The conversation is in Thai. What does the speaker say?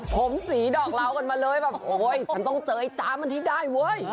ผมสีดอกเหล้ากันมาเลยแบบโอ้โหฉันต้องเจอไอ้จ๊ะมันที่ได้เว้ย